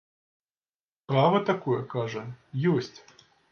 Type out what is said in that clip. Права такое, кажа, ёсць.